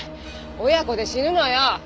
親子で死ぬのよ。